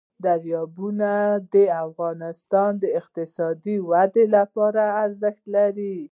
دریابونه د افغانستان د اقتصادي ودې لپاره ارزښت لري.